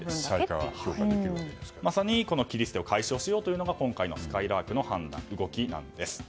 まさに、切り捨てを解消しようというのが今回のすかいらーくの判断動きなんです。